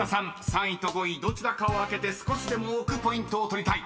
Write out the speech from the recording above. ３位と５位どちらかを開けて少しでも多くポイントを取りたい］